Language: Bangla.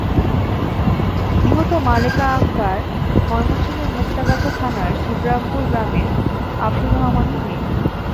নিহত মালেকা আক্তার ময়মনসিংহের মুক্তাগাছা থানার শিবরামপুর গ্রামের আবদুর রহমানের মেয়ে।